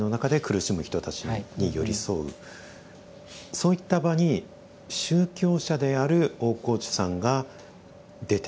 そういった場に宗教者である大河内さんが出ていく関わっていく。